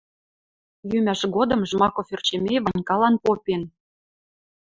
Йӱмӓш годым Жмаков Ӧрчемей Ванькалан попен: